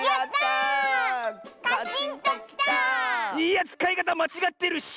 いやつかいかたまちがってるし！